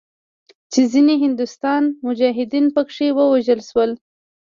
چې ځینې هندوستاني مجاهدین پکښې ووژل شول.